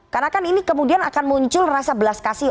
karena kan ini kemudian akan muncul rasa belas kasih